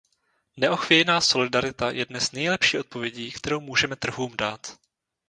Neochvějná solidarita je dnes nejlepší odpovědí, kterou můžeme trhům dát.